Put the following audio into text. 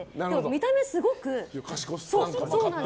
見た目すごく。